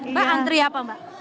mbak antri apa mbak